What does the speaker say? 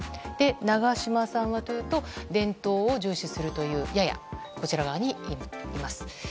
長島さんはというと伝統を重視するというややこちら側にいます。